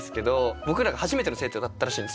僕らが初めての生徒だったらしいんですよ。